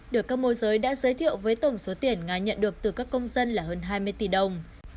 được các môi giới đã giới thiệu với tổng số tiền nga nhận được từ các công dân là hơn hai mươi tỷ đồng